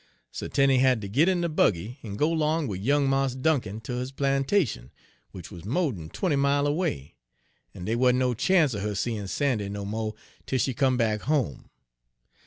So Tenie had ter git in de buggy en go 'long wid young Mars Dunkin ter his plantation, w'ich wuz mo' d'n twenty mile away; en dey wa'n't no chance er Page 52 her seein' Sandy no mo' 'tel she come back home.